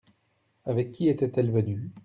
Avec qui était-elle venu ?